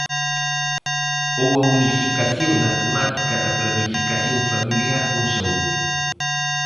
Ou a unificación da temática da planificación familiar con saúde.